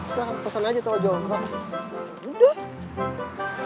silakan pesen aja ke ojo gak apa apa